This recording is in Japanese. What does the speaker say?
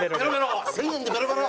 １０００円でベロベロ！